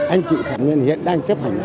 anh chị phạm nguyễn hiện đang chấp hành